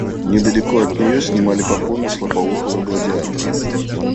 Недалеко от нее снимали попону с лопоухого Гладиатора.